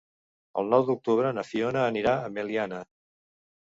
El nou d'octubre na Fiona anirà a Meliana.